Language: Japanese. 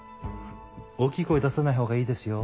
大きい声出さないほうがいいですよ。